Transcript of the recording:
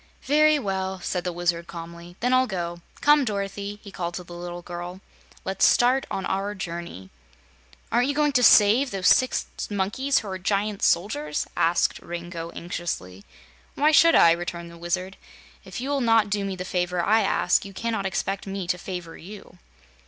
"Very well," said the Wizard calmly; "then I'll go. Come, Dorothy," he called to the little girl, "let's start on our journey." "Aren't you going to save those six monkeys who are giant soldiers?" asked Rango, anxiously. "Why should I?" returned the Wizard. "If you will not do me the favor I ask, you cannot expect me to favor you."